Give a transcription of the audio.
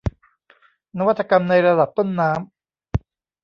นวัตกรรมในระดับต้นน้ำ